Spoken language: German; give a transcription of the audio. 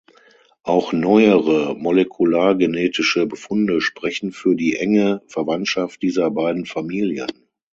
Auch neuere molekulargenetische Befunde sprechen für die enge Verwandtschaft dieser beiden Familien.